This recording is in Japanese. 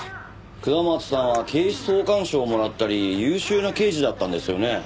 下松さんは警視総監賞をもらったり優秀な刑事だったんですよね？